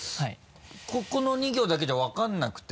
ここの２行だけじゃ分からなくて。